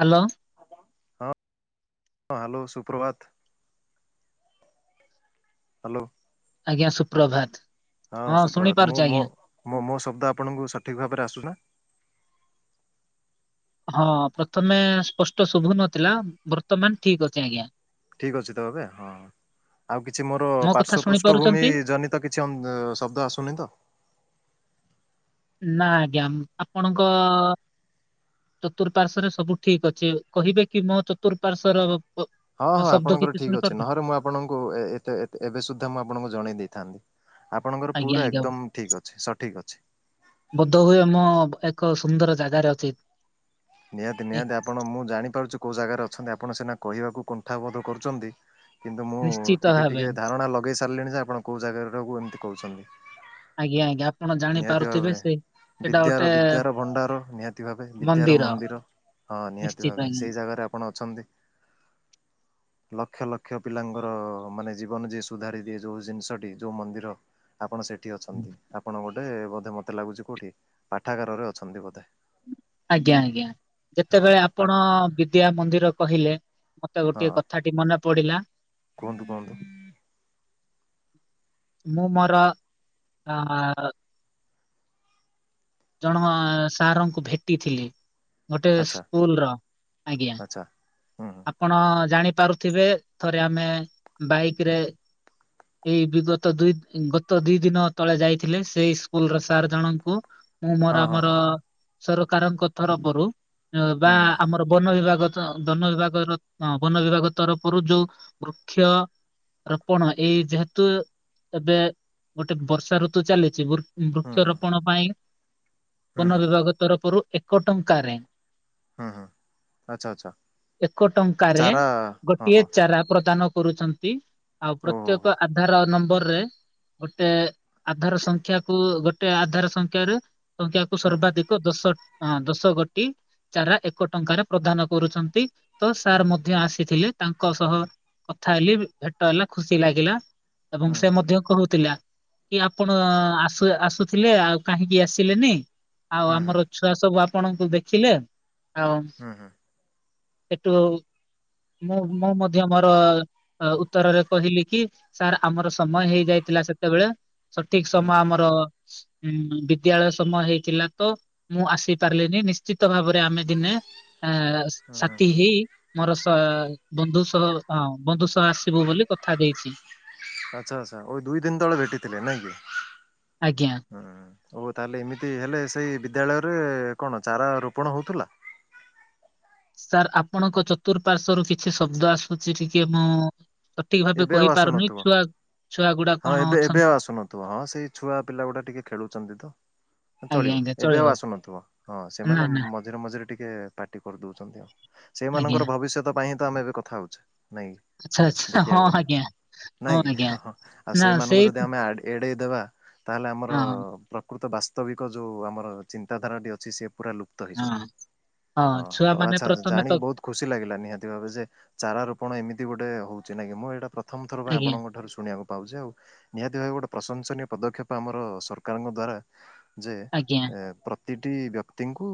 Hello ହ hello ସୁପ୍ରଭାତ। Hello. ଆଜ୍ଞା ସୁପ୍ରଭାତ। ହଁ ଶୁଣି ସୁପ୍ରଭାତ ପାରୁଛି ଆଜ୍ଞା। ମୁଁ ମୋ ସୁ ଆପଣଙ୍କୁ ସଠିକ ଭାବରେ ଆସୁ ହଁ ପ୍ରଥମେ ସ୍ପଷ୍ଟ ଶୁଭୁ ନଥିଲା, ବର୍ତ୍ତମାନ ଠିକ ଅଛି ଆଜ୍ଞା। ଠିକ ଅଛି ତ ଏବେ ହଁ। ଆଉ କିଛି ମୋର ମୋ କଥା ପାର୍ଶ୍ଵ ଶୁଣି ପୃଷ୍ଠଭୂମି ପାରୁଛନ୍ତି ଜନିତ କିଛି ଶବ୍ଦ ଆସୁନି ତ? ନା ଆଜ୍ଞା, ଆପଣଙ୍କ ଚତୁଃପାଶ୍ୱରେ ସବୁ ଠିକ ଅଛି କହିବେ କି ମୋ ଚତୁରପାଶ୍ୱ ହଁ ହଁ ଆପଣଙ୍କର ଠିକ ଅଛି ନହଲେ ମୁଁ ଆପଣଙ୍କୁ ଏତେ ଏବେ ସୁଦ୍ଧା ମୁଁ ଆପଣଙ୍କୁ ଜଣେଇ ଦେଇଥାନ୍ତି। ଆପଣଙ୍କର ପୁରା ଆଜ୍ଞା ଆଜ୍ଞା ଏକଦମ ଠିକ୍ ଅଛି ସଠିକ୍ ଅଛି। ବୋଧ ହୁଏ ଆମ ଏକ ସୁନ୍ଦର ଜାଗା ର ଉଚିତ। ନିହାତି ନିହାତି ଆପଣ ମୁଁ ଜାଣିପାରୁଚଛି କୋଉ ଜାଗାରେ ଅଛନ୍ତି। ଆପଣ ସିନା କହିବାକୁ କୁଣ୍ଠାବୋଧ କରୁଛନ୍ତି। କିନ୍ତୁ ମୁଁ ନିଶ୍ଚିତ ଟିକେ ଭାବେ ଟିକେ ଧାରଣା ଲଗେଇ ସାରିଲିଣି ଯେ ଆପଣ କେଉଁ ଜାଗାରେ ଟାକୁ ଏମିତି କହୁଛନ୍ତି। ଆଜ୍ଞା ଆଜ୍ଞା ଆପଣ ନିହାତି ଭାବେ ଜାଣିପାରୁଥିବେ ସେ ସେଇଟା ଗୋଟେ ବିଦ୍ୟାର ବିଦ୍ୟାର ଭଣ୍ଡାର ନିହାତି ଭାବେ ବିଦ୍ୟା ମନ୍ଦିର ନିହାତି ନିଶ୍ଚିତ ଭାବେ ଆଜ୍ଞା। ସେହି ଜାଗାରେ ଆପଣ ଅଛନ୍ତି। ଲକ୍ଷ ଲକ୍ଷ ପିଲାଙ୍କର ମାନେ ଜୀବନ ଯିଏ ସୁଧାରି ଦିଏ ଯୋଉ ଜିନିଷଟି ଯୋଉ ମନ୍ଦିର ଆପଣ ସେଠି ଅଛନ୍ତି, ଆପଣ ଗୋଟେ ବୋଧେ ମତେ ଲାଗୁଛି କୋଉଠି ପାଠାଗାରରେ ଅଛନ୍ତି ବୋଧେ। ଆଜ୍ଞା ଆଜ୍ଞା ହଁ ଯେତେବେଳେ ହଁ ପା ଆପଣ ବିଦ୍ୟା ମନ୍ଦିର କହିଲେ। ମତେ ଗୋଟେ ହଁ କଥାଟି ମନେ ପଡିଲା। କୁହନ୍ତୁ କୁହନ୍ତୁ। ମଁ ମୋରା ଆଁ ଜଣ ସାରଙ୍କୁ ଭେଟିଥିଲି। ଗୋଟେ ଆଚ୍ଛା ସ୍କୁଲର ଆଜ୍ଞା। ଆଚ୍ଛା ହୁଁ ହୁଁ ଆପଣ ଜାଣିପାରୁଥିବେ ଥରେ ଆମେ ବାଇକ ରେ ଏଇ ବିଗତ ଦୁଇ ଗତ ଦି ଦିନ ତଳେ ଯାଇଥିଲେ ସେଇ ସ୍କୁଲର ସାର୍ ଜଣଙ୍କୁ। ମୁଁ ମୋର ହଁ ହଁ ଆମର ହଁ ସରକାରଙ୍କ ତରଫରୁ ବା ହୁଁ ହୁଁ ଆମର ବନ ବିଭାଗ ବନ ବିଭାଗର ବନ ବିଭାଗ ତରଫରୁ ଯୋଉ ବୃକ୍ଷ ରପଣ ଏଇ ଯେହେତୁ ଏବେ ଗୋଟେ ବର୍ଷା ଋତୁ ଚାଲିଛି ବୃ ହୁଁ ହୁଁ ବୃକ୍ଷରୋପଣ ପାଇଁ, ହୁଁ ବନ ବିଭାଗ ତରଫରୁ ଏକ ଟଙ୍କାରେ ହୁଁ ହୁଁ ଆଛା ଆଚ୍ଛା। ଏକ ଟଙ୍କାରେ ଚାରା ହଁ ଗୋଟିଏ ହଁ ଚାରା ପ୍ରଦାନ କରୁଛନ୍ତି। ଆଉ ଓହୋ ହୋ ପ୍ରତ୍ୟେକ ଆଧାର ନମ୍ବରରେ ଗୋଟେ ଆଧାର ସଂଖ୍ୟାକୁୁ ଗୋଟେ ଟେ ଆଧାର ସଂଖ୍ୟା ରୁ ସଂଖ୍ୟାକୁ ହୁଁ ହୁଁ ସର୍ବାଧିକ ଦଶ ହଁ ଦଶ ଗୋଟି ଚାରା ଏକ ଟଙ୍କାରେ ପ୍ରଦାନ କରୁଛନ୍ତି। ତ ସାର୍ ମଧ୍ୟ ଆସିଥିଲେ ତାଙ୍କ ସହ କଥା ହେଲି ଭେଟ ହେଲା ଖୁସି ଲାଗିଲା। ଏବଂ ହୁଁ ସେ ହୁଁ ମଧ୍ୟ କହୁଥିଲା କି ଆପଣ ଆସ ଆସୁଥିଲେ ଆଉ କାହିଁକି ଆସିଲେନି ଆଉ ହୁଁ ହୁଁ ଆମର ଛୁଆ ସବୁ ଆପଣଙ୍କୁ ଦେଖିଲେ ଆଉ ହୁଁ ହୁଁ ହେଟୁ ମୁଁ ମୁଁ ମଧ୍ୟ ମୋର ଅ ଉତ୍ତରରେ କହିଲି କି ସାର୍ ଆମର ସମୟ ହେଇଯାଇ ଥିଲା ସେତେବେଳେ ସଠିକ ସମୟ ହୁଁ ଆମର ହୁଁ ବିଦ୍ୟାଳୟ ସମୟ ହେଇଥିଲା ତ ମୁଁ ଆସି ପାରିଲିନି ନିଶ୍ଚିତ ଭାବରେ ଆମେ ଦିନେ ଆ ହଁ ସାଥି ହେଇ ମୋର ସା ବନ୍ଧୁ ସହ ହଁ ବନ୍ଧୁ ସହ ଆସିବୁ ବୋଲି କଥା ଦେଇଚି। ଆଚ୍ଛା ଆଚ୍ଛା ଓଇ ଦୁଇ ଦିନ ତଳେ ଭେଟିଥିଲେ ନାଇଁ କି ଆଜ୍ଞା। ହଁ। ଓଉ ତାହଲେ ଏମିତି ହେଲେ ସେଇ ବିଦ୍ୟାଳୟରେ କଣ ଚାରା ରୋପଣ ହଉଥିଲା? ସାର୍ ଆପଣଙ୍କ ଚତୁଃପାର୍ଶ୍ଵ ରୁ କିଛି ଶବ୍ଦ ଆସୁଛି ଟିକେ ମୁଁ ସଠିକ ଭାବେ ଏବେ ଆଉ କହିପାରୁନି ଆସୁନଥିବ। ଛୁଆ ଛୁଆ ଗୁଡା ହଁ କଣ ଏବେ ଏବେ ଆଉ ଅଛନ୍ତି ଆସୁନଥିବ ହଁ ସେଇ ଛୁଆ ପିଲା ଗୁଡା ଟିକେ ଖେଳୁଛନ୍ତି ତ। ଆଜ୍ଞା ଚଳିବ ଆଜ୍ଞା ଏବେ ଆଉ ଚଳିବ ଆସୁନଥିବ ହଁ ନା ସେମାନେ ନା ମଝିରେ ମଝିରେ ଟିକେ ପାଟି କରିଦଉଛନ୍ତି ଆଜ୍ଞା ସେଇମାନଙ୍କର ଭବିଷ୍ୟତ ପାଇଁ ହିଁ ତ ଆମେ ଏବେ କଥା ହଉଛେ। ନାଇଁ କି ଆଚ୍ଛା ଆଚ୍ଛା। ହଁ ଦେଖିବାକୁ ଗଲେ ଆଜ୍ଞା ନାଇଁ ହଁ କି ଆଜ୍ଞା ଆଉ ହଁ ହଁ ନା ସେମାନଙ୍କୁ ସେଇ ଯଦି ଆମେ ଆଡେ ଏଡ଼େଇ ଦେବା ତାହେଲେ ଆମର ହଁ ପ୍ରକୃତ ବାସ୍ତବିକ ଯଉ ଆମର ଚିନ୍ତାଧାରାଟି ଅଛି ସେ ପୁରା ଲୁପ୍ତ ହେଇଯିବ। ହଁ ହଁ ତ ଛୁଆ ମାନେ ଆଚ୍ଛା ପ୍ରଥମେ ଜାଣିକି ତ ବହୁତ ଖୁସି ଲାଗିଲା ନିହାତି ଭାବେ ଯେ ଚାରା ରୋପଣ ଏମିତି ଏମିତି ଗୋଟେ ହଉଛି ନା କି ମୁଁ ଏଇଟା ପ୍ରଥମ ଥର ପାଇଁ ଆଜ୍ଞା ଆପଣଙ୍କଠାରୁ ଶୁଣିବାକୁ ପାଉଛି ଆଉ ନିହାତି ଭାବେ ଗୋଟେ ପ୍ରଶଂସନୀୟ ପଦକ୍ଷେପ ଆମର ସରକାରଙ୍କ ଦ୍ଵାରା ଯେ ଆଜ୍ଞା ପ୍ର ପ୍ରତିଟି ବ୍ୟକ୍ତିଙ୍କୁ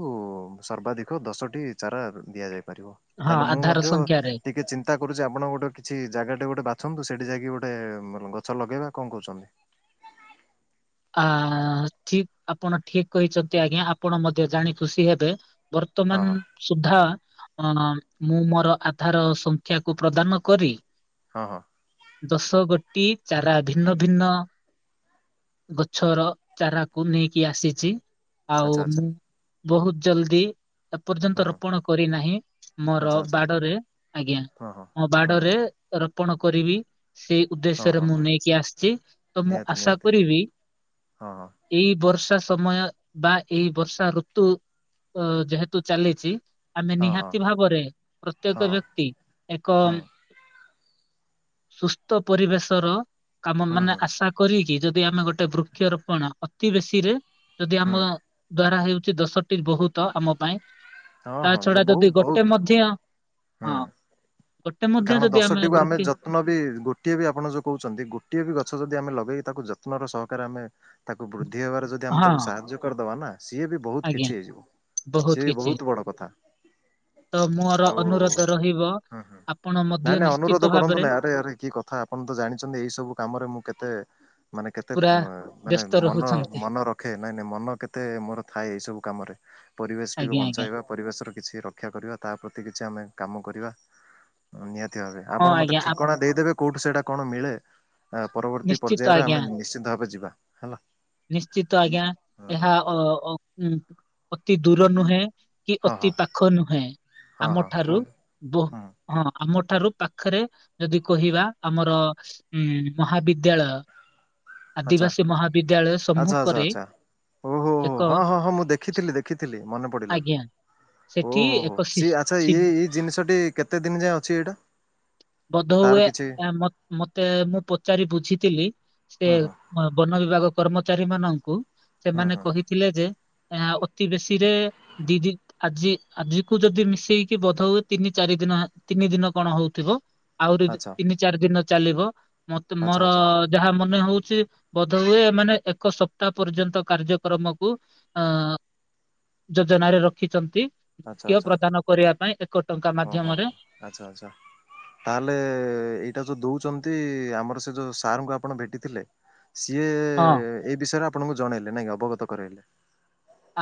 ସର୍ବାଧିକ ଦଶଟି ଚାରା ଦିଆଯାଏ। ପାରିବ ହଁ ତାହେଲେ ମୁଁ ଆଧାର ମଧ୍ୟ ସଂଖ୍ୟାରେ ଟିକେ ଚିନ୍ତା କରୁଛି ଆପଣ ଗୋଟେ କିଛି ଜାଗାଟେ ଗୋଟେ ବାଛନ୍ତୁ ସେଇଠି ଯାଇକି ଗୋଟେ ଉଁ ଗଛ ଲଗେଇବା କଣ କହୁଛନ୍ତି? ଆଁ ଠିକ ଆପଣ ଠିକ କହିଛନ୍ତି ଆଜ୍ଞା ଆପଣ ମଧ୍ୟ ଜାଣି ଖୁସି ହେବେ ହଁ ବର୍ତ୍ତମାନ ହଁ ସୁଦ୍ଧା [unintelligible] ମୁଁ ମୋର ଆଧାର ସଂଖ୍ୟାକୁ ପ୍ରଦାନ କରି ହଁ ହଁ। ଦଶ ଗୋଟି ଚାରା ଭିନ୍ନ ଭିନ୍ନ ଗଛର ଚାରାକୁ ନେଇକି ଆସିଛି ଆଉ ଆଚ୍ଛା ଆଚ୍ଛା ମୁଁ ବହୁତ ଜଲ୍ଦି ହଁ ଏପର୍ଯ୍ୟନ୍ତ ହଁ ରୋପଣ କରିନାହିଁ ମୋର ଆଚ୍ଛା ଆଚ୍ଛା ବାଡ଼ରେ ଆଜ୍ଞା ହଁ ହଁ। ମୋ ହଁ ହଁ ବାଡ଼ରେ ର ରୋପୋଣ କରିବି ସେଇ ହଁ ଉଦ୍ଦେଶ୍ୟରେ ହଁ ମୁଁ ହଁ ନେଇକି ଆସିଛି ତ ମୁଁ ନିହାତି ଆଶା ନିହାତି କରିବି ହଁ ହଁ ଏଇ ବର୍ ବର୍ଷା ସମୟ ବା ଏଇ ବର୍ଷା ଋତୁ ଅଁ ଯେହେତୁ ଚାଲିଚି ଆମେ ହଁ ହଁ। ନିହାତି ଭାବରେ ପ୍ରତ୍ୟେକ ହଁ ବ୍ୟକ୍ତି ଏକ ହଁ ସୁସ୍ଥ ପରିବେଶ ର କାମ ହୁଁ ମାନେ ହୁଁ ଆଶା କରିକି ଯଦି ଆମେ ଗୋଟେ ଗୋଟେ ବୃକ୍ଷରୋପଣ ଅତି ବେଶୀ ରେ ଯଦି ହୁଁ ଆମ ଦ୍ଵାରା ହେଉ ଛି ଦଶଟି ବହୁତ ଆମ ପାଇଁ ହଁ ତା ହଁ ଛଡା ଯୋଉ ବହୁ ଯଦି ଗୋଟେ ବହୁତ ମଧ୍ୟ ହୁଁ ହଁ। ଗୋଟେ ମଧ୍ୟ କାରଣ ଯଦି ଦଶଟିକୁୁ ଆମେ ବୃକ୍ଷି ଯତ୍ନ ବି ଗୋଟିଏ ବି ଆପଣ ଯୋଉ କହୁଛନ୍ତି ଗୋଟିଏ ବି ଗଛ ଯଦି ଆମେ ଲଗେଇ ତାକୁ ଯତ୍ନର ସହକାରେ ଆମେ ତାକୁ ବୃଦ୍ଧି ହବାରେ ଯଦି ଆମେ ହଁ ତାକୁ ସାହାଯ୍ୟ କରିଦବା ନା ସିଏ ବି ବହୁତ ଆଜ୍ଞା କିଛି ହେଇଯିବ, ସିଏ ବହୁତ ବଡ଼ କଥା। ତ ମୋର ଆଉ ଅନୁରୋଧ ରହିବ ହଁ ହଁ ଆପଣ ମଧ୍ୟ ନାଇଁ ନାଇଁ ନିଶ୍ଚିତ ଅନୁରୋଧ କରନ୍ତୁ ଭାବରେ ନାଇଁ ଆରେ ଆରେ କି କଥା ଆପଣ ତ ଜାଣିଛନ୍ତି ଏଇ ସବୁ କାମରେ ମୁଁ କେତେ ମାନେ କେତେ ପୁରା ମା ମାନେ ବ୍ୟସ୍ତ ମନ ରହୁଛନ୍ତି ମନ ରଖେ ନାଇଁ ନାଇଁ ମନ କେତେ ମୋର ଥାଏ ଏଇ ସବୁ କାମରେ। ପରିବେଶଟିକୁ ଆଜ୍ଞା ଆଜ୍ଞା ବଞ୍ଚାଇବା, ପରିବେଶର କିଛି ରକ୍ଷା କରିବା ତା ପ୍ରତି କି ଆମେ କାମ କରିବା ନିହାତି ଭାବେ ହଁ ଆପଣ ମତେ ଆଜ୍ଞା ଠିକଣା ଦେଇଦେବେ। କୋଉଠୁ ସେଇଟା କଣ ମିଳେ ଆଁ ଆପ- ପରବର୍ତ୍ତୀ ନିଶ୍ଚିତ ପର୍ଯ୍ୟାୟରେ ଆଜ୍ଞା ଆମେ ନିଶ୍ଚିତ ଭାବେ ଯିବା ହେଲା। ନିଶ୍ଚିତ ଆଜ୍ଞା ହଁ ହଁ ଏହା ଅ ଅ ଉଁ ଅତି ଦୂର ନୁହେଁ। କି ହଁ ଅତି ପାଖ ନୁହେଁ ହଁ ହଁ ଆମଠାରୁ କୁହନ୍ତୁ ବହୁ ହୁଁ ହଁ ଆମ ଠାରୁ ପାଖରେ ଯଦି କହିବା ଆମର ଉଁ ମହାବିଦ୍ୟାଳୟ ଆଚ୍ଛା ଆଦିବାସୀ ମହାବିଦ୍ୟାଳୟ ସମ୍ମୁଖରେ। ହଉ ହଉ ହଉ, ଏକ ହଁ ହଁ ହଁ ମୁଁ ଦେଖିଥିଲି ଦେଖିଥିଲି ମନେ ପଡିଲା। ଆଜ୍ଞା ସେଠି ଓହୋ ହୋ ଏକ ଶି ସିଏ ଆଛା ଶିବ ଇଏ ଇଏ ଜିନିଷଟି କେତେ ଦିନ ଯାଏଁ ଅଛି ଏଇଟା? ବଧ ତାର ହୁଏ କିଛି ଆମ୍ ମାତ୍ ମତେ ମୁଁ ପଚାରିିବୁଝ ବୁଝିଥିଲି ସେ ହୁଁ ହୁଁ ବ୍ ବନ ବିଭାଗ କର୍ମଚାରୀ ମାନଙ୍କୁ। ହୁଁ ସେମାନେ ହୁଁ କହିଥିଲେ ଯେ ଆଁ ଅତି ବେଶୀ ରେ ଦି ଦିନ୍ ଆଜି ଆଜି କୁ ଯଦି ମିଶେଇକି ବଧ ହୁ ତିନି ଚାରି ଦିନ ତିନି ଦିନ କଣ ହଉଥିବ? ଆହୁରି ଆଚ୍ଛା ତିନି ଚାରି ଦିନ ଚାଲିବ ମତେ, ଆଚ୍ଛା ମୋର ଆଚ୍ଛା ଯାହା ମନେ ହଉଛି ବଧ ହୁଏ ସେମାନେ ଏକ ସପ୍ତାହ ପର୍ଯ୍ୟନ୍ତ କାର୍ଯ୍ୟକ୍ରମକୁ ଆଁ ଯୋଜନାରେ ରଖିଛନ୍ତି ଆଚ୍ଛା [unintelligible] ଆଚ୍ଛା ପ୍ରଦାନ କରିବା ପାଇଁ ଏକ ଟଙ୍କା ହଁ ହଁ ମାଧ୍ୟମରେ ହଁ ଆଛା ଆଛା ତାହେଲେ ଏଇଟା ଯୋଉ ଦଉଛନ୍ତି ନ୍ତି ଆମର ସେ ଯୋଉ ସାରଙ୍କୁ ଆପଣ ଭେଟିଥିଲେ, ସିଏ ହଁ ଏଇ ବିଷୟରେ ଆପ୍ ଆପଣଙ୍କୁ ଜଣେଇଲେ ନାଇଁ ଅବଗତ କରାଇଲେ।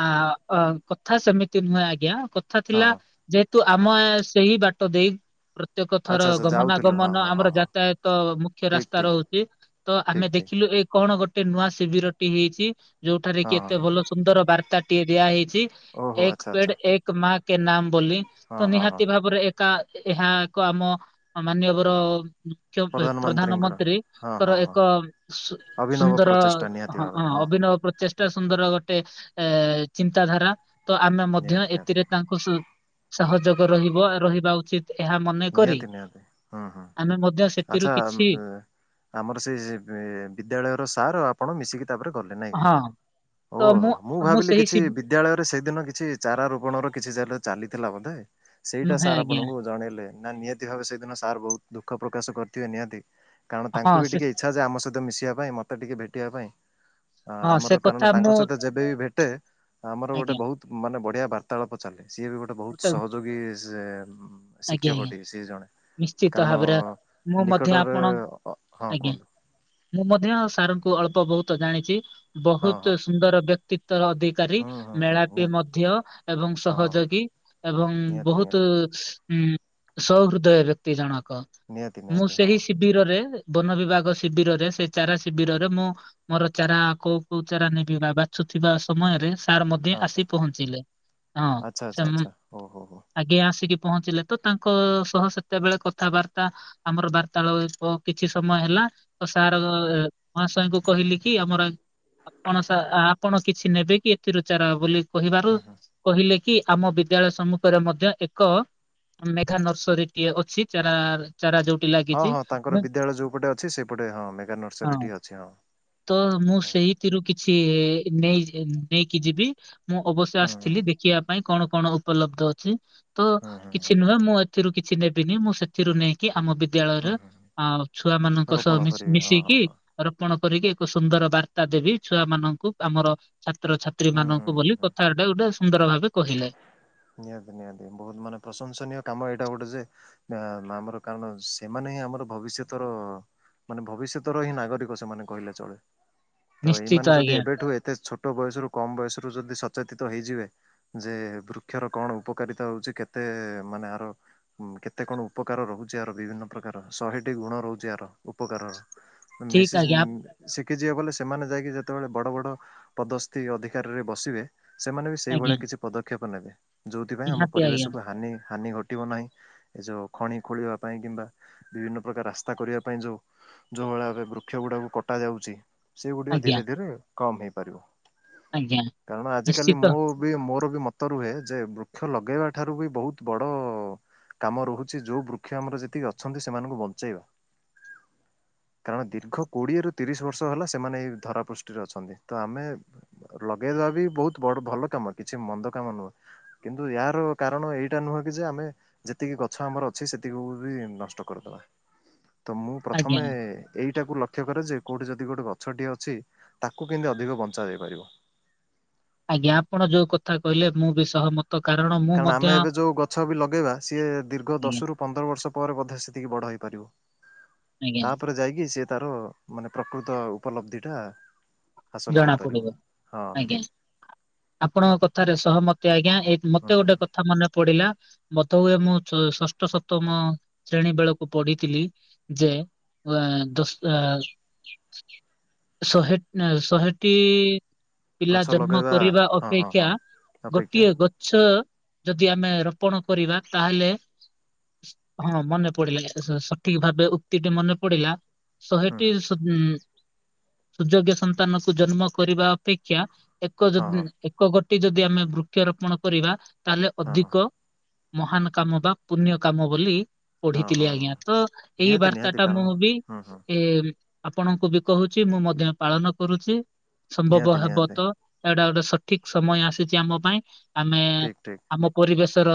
ଆଁ ଅ କଥା ସେମିତି ନୁହେଁ ଆଜ୍ଞା। କଥା ହଁ ଥିଲା ହଁ ଯେହେତୁ ହଁ ଆମ ଏ ସେଇ ବାଟ ଦେଇ ପ୍ର ପ୍ରତ୍ୟେକ ଥର ଆଚ୍ଛା ଆଚ୍ଛା ଯାଉଥିଲୁ ହଁ ଗମନାଗମନ ହଁ ଆମର ହଁ ହଁ ଯାତାୟତ ମୁଖ୍ୟ ଠିକ୍ ରାସ୍ତା ଠିକ୍ ରହୁଛି ତ ଆମେ ଠିକ୍ ଠିକ୍ ଦେଖିଲୁ ଏ କଣ ଗୋଟେ ନୂଆ ଶିବିରଟି ହେଇଛି ଯୋଉଠାରେ ହଁ କି ଏତେ ହଁ ଭଲ ସୁନ୍ଦର ବାର୍ତ୍ତା ଟିଏ ଦିଆ ହେଇଛି। ଓହୋ ନ୍ତୀ ଏକ ଆଚ୍ଛା ଆଚ୍ଛା ପେଡ଼ ଏକ ମା କେ ନାମ ବୋଲି ହଁ ତ ହଁ ହଁ ନିହାତି ଭାବରେ ଏକ ଏହା ଏକ ଆମ ମାନ୍ୟବର ମୁଖ୍ୟ ପ୍ରଧାନମନ୍ତ୍ରୀଙ୍କର ହଁ ପ୍ରଧାନମନ୍ତ୍ରୀଙ୍କର ହଁ ହଁ ଏକ ସୁ ଅଭିନବ ସୁନ୍ଦର ପ୍ରଚେଷ୍ଟା ନିହାତି ହ ଭାବେ ହଁ ହଁ ଅଭିନବ ପ୍ରଚେଷ୍ଟା। ସୁନ୍ଦର ଗୋଟେ ଏ ଚିନ୍ତାଧାରା ତ ଆମେ ମଧ୍ୟ ନିହାତି ନିହାତି ଏଥିରେ ତାଙ୍କୁ ସହଯୋଗ ରହିବ, ରହିବା ଉଚିତ। ମନେକରି ଆମେ ମ ଆଛା, ଆମର ସେ ବିଦ୍ୟାଳୟର ସାର ଆପଣ ମିଶିକି। ତାପରେ ଗଲେ ନାଇଁ କି? ହଁ ଓ ତ ହୋ ମୁଁ ଭାବିଲି ସେହି କିଛି ସି ବିଦ୍ୟାଳୟରେ ସେଇଦିନ କିଛି ଚାରା ରୋପଣ ର କିଛି ଚାଲ ଚାଲିଥିଲା ବୋଧେ ସେଇଟା ନୁହେଁ ସାର୍ ଆଜ୍ଞା ଆପଣଙ୍କୁ ଜଣେଇଲେ। ନା ନିହାତି ଭାବେ ସେଇଦିନ ସାର୍ ବହୁତ ଦୁଃଖ ପ୍ରକାଶ କରିଥିବେ ନିହାତି। କାରଣ ହଁ ତାଙ୍କୁ ବି ସେ ଟିକେ ଇଛା ଯେ- ଆମ ସହିତ ମିଶିବା ପାଇଁ, ମତେ ଟିକେ ଭେଟିବା ପାଇଁ। ଆ ହଁ ସେ ଆମର କାରଣ କଥା ତାଙ୍କ ମୁଁ ସହିତ ଯେବେ ବି ଭେଟେ ଆମର ଗୋଟେ ଆଜ୍ଞା ବହୁତ ମାନେ ବଢିଆ। ବାର୍ତ୍ତାଳାପ ଚାଲେ ସିଏ ବି ଗୋଟେ ବହୁତ ତ ସହଯୋଗୀ ଆଜ୍ଞା ଆଜ୍ଞା ଶିକ୍ଷକଟିଏ ସିଏ ଜଣେ। ନିଶ୍ଚିତ କାରଣ ଭାବରେ ମୁଁ ମଧ୍ୟ ନିକଟରେ ଆପଣ ହଁ ଆଜ୍ଞା କୁହନ୍ତୁ? ମୁଁ ମଧ୍ୟ ସାର୍ ଙ୍କୁ ଅଳ୍ପ ବହୁତ ଜାଣିଛି ହଁ ହଁ ବହୁତ ସୁନ୍ଦର ବ୍ୟକ୍ତି। ଅଧିକାରୀ, ହୁଁ ହୁଁ ହୁଁ ମେଳାପି ନିହାତି ମଧ୍ୟ ଏବଂ ହଁ ସହଯୋଗୀ ଏବଂ ନିହାତି ବହୁତ ନିହାତି ଉଁ ସ ହୃଦୟ ବ୍ୟକ୍ତି ଜଣକ ନିହାତି ମୁଁ ନିହାତି ହଁ ସେହି ଶିବିରରେ ବନ ବିଭାଗ ଶିବିରରେ, ସେ ଚାରା ଶିବିରରେ, ମୁଁ ମୋର ଚାରା କୋଉ କୋଉ ଚାରା ନେବି ବା ଥିବା ସମୟରେ ତାର ମଧ୍ୟ ଆଚ୍ଛା ଆସି ପହଞ୍ଚିଲେ। ହଁ ଆଚ୍ଛା ଆଚ୍ଛା ସେମ ଆଚ୍ଛା ହଉ ହଉ ହଉ ଆଗେ ଆସିକି ପହଞ୍ଚିଲେ। ତ ତାଙ୍କ ସହ ସେତେବେଳେ କଥାବାର୍ତ୍ତା ଆମର ବାର୍ତାଳୟପ କିଛି ସମୟ ହେଲା ତ ସାର୍ ମହାଶୟଙ୍କୁ କହିଲି କି ଆମର ଆପଣ ସା ଆପଣ କିଛି ନେବେ କି ଏଥିରୁ ଚାରା ବୋଲି କହିବାରୁ ହୁଁ ହୁଁ କହିଲେ କି ଆମ ବିଦ୍ୟାଳୟ ସମ୍ମୁଖରେ ମଧ୍ୟ ଏକ ମେଘା ନର୍ସରୀ ଟିଏ ଅଛି ଚାରା ର ହଁ ହଁ ତାଙ୍କର ବିଦ୍ୟାଳୟ ଯୋଉପଟେ ଅଛି ସେପଟେ ହଁ ମେଘା ହଁ ନର୍ସରୀ ଟି ଅଛି ହଁ। ତ ମୁଁ ହଁ ସେଇଥିରୁ କିଛି ଏ ନେଇ ଏନ ନେଇକି ଯିବି ମୁଁ ଅବଶ୍ୟ ହୁଁ ଆସିଥିଲି ଦେଖିବା ପାଇଁ। କଣ କଣ ଉପଲବ୍ଧ ଅଛି। ତ ହୁଁ ହୁଁ କିଛି ହୁଁ ନୁହେଁ ମୁଁ ଏଥିରୁ କିଛି ନେବିନି ମୁଁ ସେଥିରୁ ନେଇକି ଆମ ବିଦ ଦ୍ୟାଳୟରେ ହୁଁ ହୁଁ ଆ, ଛୁଆ ମାନଙ୍କ ସହ ରୋପଣ ମିଶ କରିବେ ହଁ ମିଶିକି ହଁ ହଁ ରୋପଣ କରିକି ଏକ ସୁନ୍ଦର ବାର୍ତ୍ତା ଦେବି ଛୁଆ ମାନଙ୍କୁ ଆମର ଛାତ୍ରଛାତ୍ରୀ ହୁଁ ହୁଁ ମାନଙ୍କୁ ହୁଁ ବୋଲି ହୁଁ କଥାଟା ଗୋଟେ ସୁନ୍ଦର ଭାବେ କହିଲେ। ନିହାତି ନିହାତି ବହୁତ ମାନେ ପ୍ରଶଂସନୀୟ କାମ ଏଇଟା ଗୋଟେ ଯେ। ଦେ-ଆମର କାରଣ ସେମାନେ ସିଏ ଆମର ଭବିଷ୍ୟତର ମାନେ ଭବିଷ୍ୟତର ହିଁ ନାଗରିକ ସେମାନେ କହିଲେ ଚଳେ। ତ ଏଇ ନିଶ୍ଚିତ ମାନେ ଯଦି ଆଜ୍ଞା। ଏବେଠୁ ଏତେ ଛୋଟ ବୟସରୁ କମ ବୟସ ରୁ ଯଦି ସ ଚେତିତ ହେଇଯିବେ ଯେ ବୃ କ୍ଷର କଣ ଉପକାରିତା ହଉଛି କେତେ ମାନେ ଆର ଉଁ, କେତେ କଣ ଉପକାର ରହୁଛି ଆର ବିଭିନ୍ନ ପ୍ରକା ଶହେଟି ଗୁଣ ରହୁଚି ଏହାର ଉପକାରର। ଠିକ ମିଶିଜି ଆଜ୍ଞା ଶିଖିଯିବେ ବଲେ ସେମାନେ ଯାଇକି ଯ ଯେତେବେଳେ ବଡ଼ ବଡ଼ ପଦସ୍ତି ଅଧିକାରରେ ବସିବେ ସେମାନେ ବି ସେଇଭଳିଆ ଆଜ୍ଞା କିଛି ପଦକ୍ଷେପ ନେବେ। ଯୋଉଥିପାଇଁ ଆମ ନିହାତି ଆଜ୍ଞା ପରିବେଶକୁ ହାନି ହାନି ଘଟ ଟିବ ନାହିଁ ଏ ଯୋଉ ଖଣି ଖୋଳିବା ପାଇଁ କିମ୍ବା ବିଭିନ୍ନ ପ୍ରକାର ରାସ୍ତା କରିବା ପାଇଁ ଯୋଉ ଯୋ ଉଭଳି ଭାବେ ବୃକ୍ଷ ଗୁଡାକୁ କଟା ଯାଉଛି ସେଗୁଡିକ ଆଜ୍ଞା ଧୀରେ ଧୀରେ କମ ହେଇପାରିବ। ଆଜ୍ଞା କାରଣ ଆଜିକାଲି ନିଶ୍ଚିତ ମୁଁ ବି ମୋର ବି ମତ ରୁହେ ଯେ ବୃକ୍ଷ ଲଗେଇବା ଠାରୁ ବି ବହୁତ ବଡ କାମ ରହୁଛି ଯୋଉ ବୃକ୍ଷ ଆମର ଯେତିକି ଅଛନ୍ତି ସେମାନଙ୍କୁ ବଞ୍ଚେଇବା। କାରଣ ଦୀର୍ଘ କୋଡିଏ ରୁ ତିରିଶ ବର୍ଷ ହେଲା ସେମାନେ ଏଇ ଧରାପୃଷ୍ଠରେ ଅଛନ୍ତି। ତ ଆମେ ଲଗେଇ ହେଲା ବି ବହୁତ ବଡ ଭଲ କାମ କିଛି ମନ୍ଦ କାମ ନୁହଁ। କିନ୍ତୁ ଏହାର କାରଣ ଏଇଟା ନୁହେଁ କି ଯେ ଆମେ ଯେତିକି ଗଛ ଆମର ଅଛି ସେତିକି କୁ ବି ନଷ୍ ଚ, କରିଦବା। ତ ମୁଁ ଆଜ୍ଞା। ପ୍ରଥମେ ଏଇଟାକୁ ଲକ୍ଷ୍ୟ କରେ ଯେ କୋଉଠି ଯଦି ଗୋଟେ ଗଛଟିଏ ଅଛି ତାକୁ କେମତି ଅଧିକ ବଞ୍ଚା ଯାଇପାରିବ। ଆଜ୍ଞା ଆପଣ ଯୋଉ କଥା କହିଲେ ମୁଁ ବି ସହମ କାରଣ ଆମେ ଏବେ ଯୋଉ ଗଛ ବି ଲଗେଇବା ସିଏ ଦୀର୍ଘ ଆଜ୍ଞା ଦଶ ରୁ ପନ୍ଦର ବର୍ଷ ପରେ ବୋଧେ ସେ ଏତିକି ବଡ ହେଇପାରିବ। ଆଜ୍ଞା ତାପରେ ଯାଇକି ସିଏ ତାର ମାନେ ପ୍ରକୃତ ଉପଲବ୍ଧିଟା ଜଣା ପଡିବ। ଆଜ୍ଞା ଆପଣଙ୍କ କଥାରେ ସହମତି ଆଜ୍ଞା ଏ ମୋତେ ହୁଁ ଗୋଟେ କଥା ମନେ ପଡିଲା ବୋଧ ହୁଏ ମୁଁ ଷ-ଷଷ୍ଠ ସପ୍ତମ ଶ୍ରେଣୀ ବେଳକୁ ପଢିଥିଲି ଯେ ଉଏ, ଦଶ ଏ, ଶହେ ଏଁ, ଶହେଟି ପିଲା ଗଛ ଜନ୍ମ ଲଗେଇବା କରିବା ହଁ ହଁ ହଁ ଅପେକ୍ଷା ଅପେକ୍ଷା ଗୋଟିଏ ଗଛ ଯଦି ଆମେ ରୋପଣ କରିବା ତାହେଲେ ହଁ ମନେ ପଡିଲା ସ- ସଠିକ ଭାବେ ଉକ୍ତିଟି ମନେ ପଡିଲା। ହୁଁ ଶହେଟି ହୁଁ ସୁ-ଉଁ, ସୁଯୋଗ୍ୟ ସନ୍ତାନକୁ ଜନ୍ମ କରିବା ଅପେକ୍ଷା ଏକ ଯ ହଁ ଉଁ, ହଁ ଏକ ଗୋଟି ଯଦି ଆମେ ବୃକ୍ଷରୋପଣ କରିବା ତାହେଲେ ହଁ ହଁ ଅଧିକ ମହାନ କାମ ବା ପୁଣ୍ୟ କାମ ବୋଲି ହଁ ପଢିଥିଲି ହଁ ହଁ ଆଜ୍ଞା। ତ ଏଇ ନିହାତି ବାର୍ତ୍ତା ନିହାତି ଟା କାରଣ ମୁଁ ବି ହୁଁ ହୁଁ ଏ ଆପଣଙ୍କୁ ବି କହୁଛି। ମୁଁ ମଧ୍ୟ ପାଳନ କରୁଛି। ସମ୍ଭବ ନିହାତି ହେବ ନିହାତି ତ ଏଟା ଗୋଟେ ସଠିକ ସମୟ ଆସିଛି ଆମ ପାଇଁ, ଆମେ ଠିକ୍ ଠିକ୍ ଆମେ ପରିବେଶ ର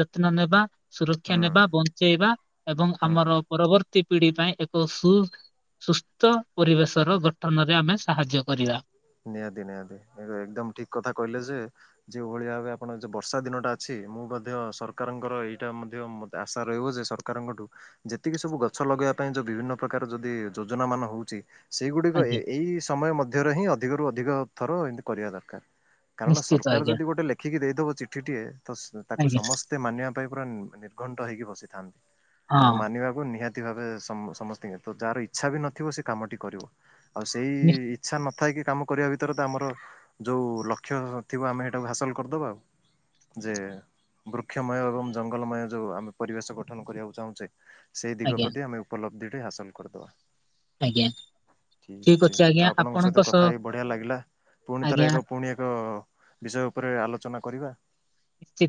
ଯତ୍ନ ନେବା, ସୁରକ୍ଷା ହୁଁ ନେବା, ବଞ୍ଚେଇବା ଏବଂ ହୁଁ ଆମର ପରବର୍ତ୍ତୀ ପିଢି ପାଇଁ, ଏକ ସୁ ସୁସ୍ଥ ପରିବେଶର ଗଠନରେ ଆମେ ସାହାଯ୍ୟ କରିବା। ନିହାତି ନିହାତି [unintelligible] ଏକଦମ ଠିକ କଥା କହିଲେ ଯେ, ଯୋଉଭଳି ଭାବେ ଆପଣ ଯୋଉ ବର୍ଷା ଦିନଟା ଅଛି। ମୁଁ ମଧ୍ୟ ସରକାରଙ୍କର ଏଇଟା ମଧ୍ୟ ଆଶା ରହିବ ଯେ, ସରକାରଙ୍କଠୁ ଯେତିକି ସବୁ ଗଛ ଲଗେ ଗେଆ ପାଇଁ, ଯୋଉ ବିଭିନ୍ନ ପ୍ରକାର ଯଦି ଯୋଜନା ମାନ ହଉଛି ସେଇଗୁଡିକ ଏ ଆଜ୍ଞା। ଏଇ ସମୟ ମଧ୍ୟରେ ହିଁ, ଅଧିକରୁ ଅଧିକ ଥର ଏମିତି କରିଆ ଦରକାର। କାରଣ ନିଶ୍ଚିତ ସରକାର ଆଜ୍ଞା ଯଦି ଗୋଟେ ଲେଖିକି ଦେଇଦବ ଚିଠିଟିଏ, ତ ତାକୁ ଆଜ୍ଞା ସମସ୍ତେ ମାନିବା ପାଇଁ ପୁରା ଘଣ୍ଟ ହେଇକି ବସିଥାନ୍ତି। ତାକୁ ହଁ ମାନିବାକୁ ନିହାତି ନିହାତି ଭାବେ ସମ ସମସ୍ତିଙ୍କି, ତ ଯାହାର ଇଚ୍ଛା ବି ନଥିବ ସେ କାମଟି କରିବ। ଆଉ ସେଇ ନିଶ୍- ଇଛା ନ କାମ କରିବା ଭିତରେ ତ, ଆମର ଯୋଉ ଲକ୍ଷ୍ୟ ଥିବ ଆମେ ସେଇଟାକୁ ହାସଲ କରିଦବା ଆଉ। ଯେ ବୃକ୍ଷମୟ ଏବଂ ଜଙ୍ଗଲମୟ, ଯୋଉ ଆମେ ପରିବେଶ ଗଠନ କରିବାକୁ ଚାହୁଁଛେ ସେଇ ଦିଗ ଆଜ୍ଞା ପ୍ରତି ଆମେ ଉପଲବ୍ଧି ରେ ହାସଲ କରିଦବା। ଆଜ୍ଞା, ଠିକ ଅଛି ଆଜ୍ଞା ଆପଣଙ୍କ ସ କଥା ହେଇକି ବଢିଆ ଲାଗିଲା, ପୁଣି ଥରେ ଏକ ପୁଣି ଏକ ବିଷୟ ଉପରେ ଆଲୋଚନା କରିବା। ନିଶ୍ଚିତ